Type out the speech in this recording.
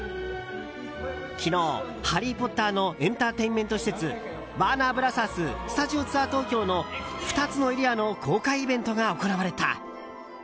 昨日、ハリー・ポッターのエンターテインメント施設ワーナーブラザーススタジオツアー東京の２つのエリアの公開イベントが行われた。